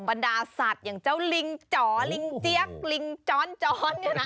บรรดาสัตว์อย่างเจ้าลิงจ๋อลิงเจี๊ยกลิงจ้อนเนี่ยนะ